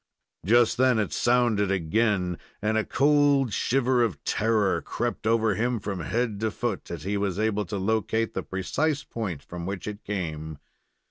Just then it sounded again, and a cold shiver of terror crept over him from head to foot, as he was able to locate the precise point from which it came.